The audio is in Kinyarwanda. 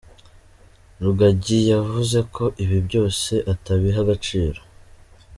Rugagi yavuze ko ibi byose atabiha agaciro.